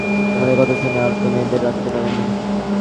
তোমার কথা শুনে আর তো মেয়েদের রাখতে পারি নে!